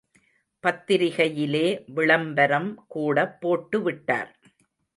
பத்திரிகையிலே விளம்பரம் கூட போட்டுவிட்டார்.